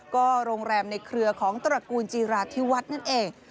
ก็โรงแรมในเครือของตระกูลจีราธิวัฒน์นั่นเอง